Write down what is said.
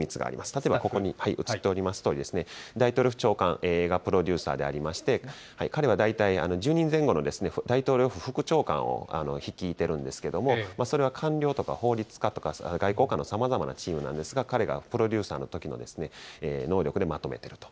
例えばここに映っておりますとおり、大統領府長官がプロデューサーでありまして、彼は大体１０人前後の大統領副長官を率いてるんですけれども、それは官僚とか法律家とか、外交官のようなさまざまなチームなんですが、彼がプロデューサーのときの能力でまとめていると。